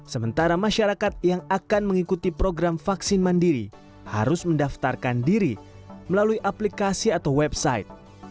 sementara masyarakat yang akan mengikuti program vaksin mandiri harus mendaftarkan diri melalui aplikasi atau website